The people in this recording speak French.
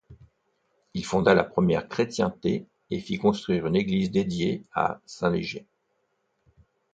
Il fonda la première chrétienté et fit construire une église dédiée à saint Léger.